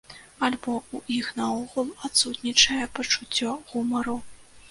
Альбо ў іх наогул адсутнічае пачуццё гумару.